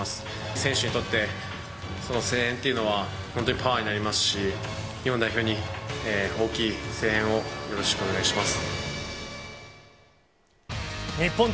選手にとって、その声援っていうのは本当にパワーになりますし、日本代表に大きい声援をよろしくお願いします。